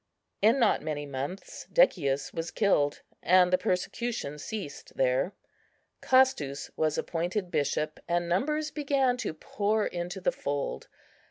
In not many months Decius was killed, and the persecution ceased there. Castus was appointed bishop, and numbers began to pour into the fold.